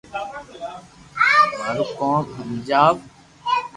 مارو ڪوم ھمجاو